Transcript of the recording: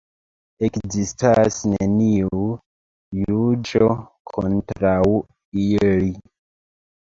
Ekzistas neniu juĝo kontraŭ ili.